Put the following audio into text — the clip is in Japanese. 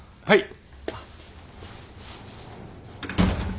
はい。